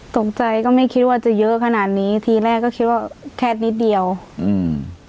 ตกใจก็ไม่คิดว่าจะเยอะขนาดนี้ทีแรกก็คิดว่าแค่นิดเดียวอืม